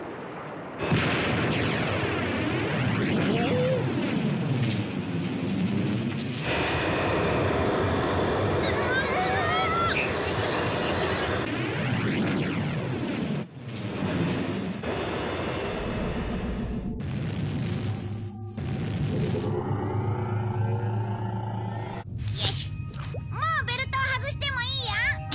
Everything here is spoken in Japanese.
もうベルトを外してもいいよ。